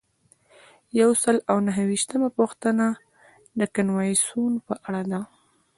یو سل او نهه ویشتمه پوښتنه د کنوانسیون په اړه ده.